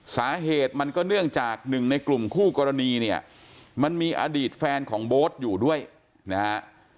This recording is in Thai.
สาเหตุมันก็เนื่องจากหนึ่งในกลุ่มคู่กรณีเนี่ยมันมีอดีตแฟนของโบ๊ทอยู่ด้วยนะฮะ